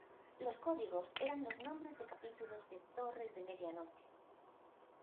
Los códigos eran los nombres de capítulos de "Torres de medianoche".